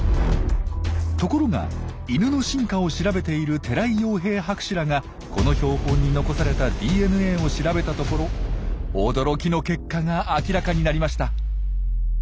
ところがイヌの進化を調べている寺井洋平博士らがこの標本に残されたＤＮＡを調べたところ驚きの結果が明らかになりました。